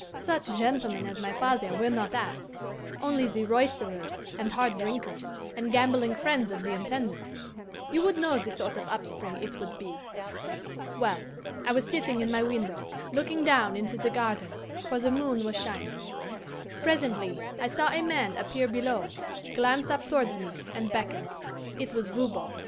Such gentlemen as my father were not asked; only the roisterers and hard drinkers, and gambling friends of the Intendant. You would know the sort of upspring it would be. Well, I was sitting in my window, looking down into the garden; for the moon was shining. Presently I saw a man appear below, glance up towards me, and beckon. It was Voban.